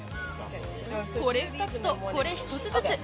これ２つと、それ１つずつ。